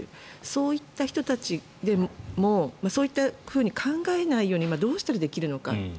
そういった人たちでもそういったふうに考えないようにどうしたらできるのか。